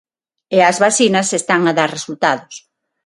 E as vacinas están a dar resultados.